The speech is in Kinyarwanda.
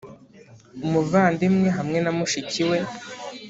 umuvandimwe hamwe na mushiki we